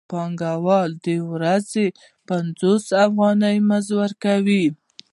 پانګوال د ورځې پنځوس افغانۍ مزد ورکوي